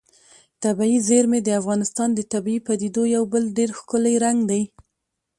طبیعي زیرمې د افغانستان د طبیعي پدیدو یو بل ډېر ښکلی رنګ دی.